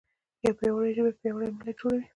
یوه پیاوړې ژبه پیاوړی ملت جوړوي.